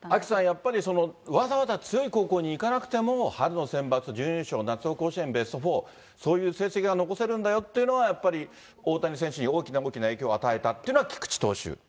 やっぱり、わざわざ強い高校に行かなくても、春のセンバツ、夏の甲子園ベスト４、そういう成績が残せるんだよというのは、大谷選手に大きな影響を与えたというのは菊池投手。